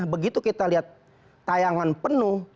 begitu kita lihat tayangan penuh